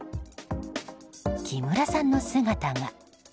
木村さんの姿が。